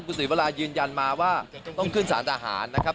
คุณศรีวรายืนยันมาว่าต้องขึ้นสารทหารนะครับ